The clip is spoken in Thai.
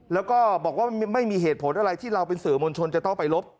แล้วก็บอกว่าไม่มีเหตุผลอะไรที่เราเป็นสื่อมวลชนจะต้องไปลบ